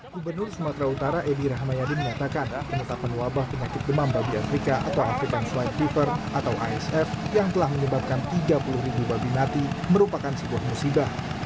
kemenur sumatera utara edy rahmayadi mengatakan penutupan wabah penyakit demam babi afrika atau african swine fever atau asf yang telah menyebabkan tiga puluh ribu babi mati merupakan sebuah musibah